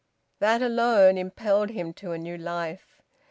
That alone impelled him to a new life.